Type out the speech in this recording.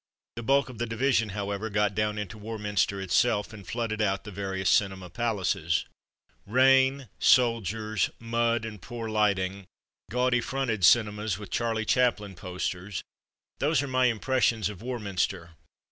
The bulk of the division, however, got down 72 From Mud to Mufti into Warminster itself and flooded out the various cinema palaces. Rain, soldiers, mud, and poor lighting, gaudy fronted cinemas with ''Charlie Chap lin^' posters, those are my impressions of Warminster.